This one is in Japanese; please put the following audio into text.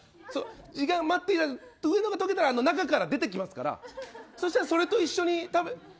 待っていただくと上のが中から出てきますからそしたら、それと一緒に食べ。